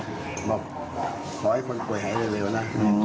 บอกขอให้คนป่วยหายเร็วนะ